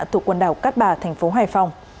thuộc quần đảo cát bà thành phố hoài phòng